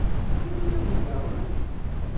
Anwa nniḍen daɣen?